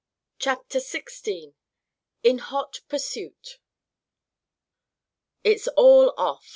CHAPTER XVI IN HOT PURSUIT "It's all off!"